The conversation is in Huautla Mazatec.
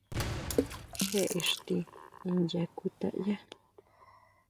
¿Jé íxti incha kutayá?